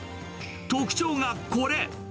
特徴がこれ。